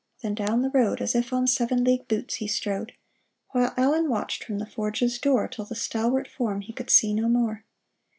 " Then down the road As if on seven league boots he strode, While Allen watched from the forge's door Till the stalwart form he could see no more.